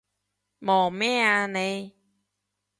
望咩啊你？